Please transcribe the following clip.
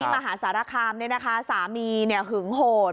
มหาสารคามสามีหึงโหด